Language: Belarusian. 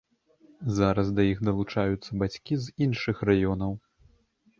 Зараз да іх далучаюцца бацькі з іншых раёнаў.